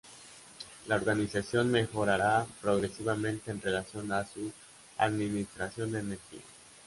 La organización mejorará progresivamente en relación a su administración de energía.